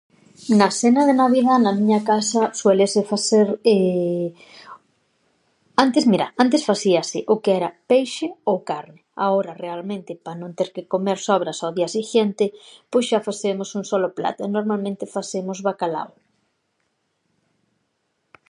Na sena de navidá na miña casa suelese faser antes, mira, antes fasíase o que era peixe ou carne, ahora realmente pa non ter que comer sobras ao día sighiente, pois xa facemos un solo plato, normalmente fasemos bacalao.